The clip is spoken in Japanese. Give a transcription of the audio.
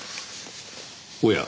おや。